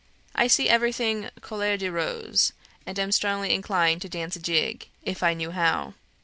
I see everything couleur de rose, and am strongly inclined to dance a jig, if I knew how.